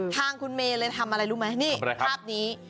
ทางคุณเมย์เลยทำอะไรรู้ไหมนี่ภาพนี้